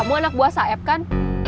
kamu anak buah saeb kan